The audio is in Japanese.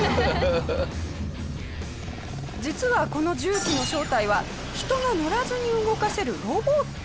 実はこの重機の正体は人が乗らずに動かせるロボット。